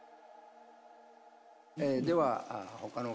では他の方。